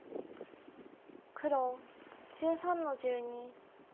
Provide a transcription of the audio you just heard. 黒１３の十二。